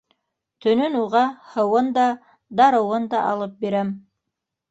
Төнөн уға һыуын да, дарыуын да алып бирәм.